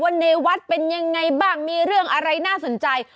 ในวัดเป็นยังไงบ้างมีเรื่องอะไรน่าสนใจ